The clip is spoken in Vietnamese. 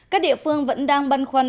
các địa phương vẫn đang băn khoăn